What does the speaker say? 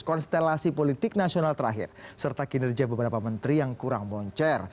konstelasi politik nasional terakhir serta kinerja beberapa menteri yang kurang moncer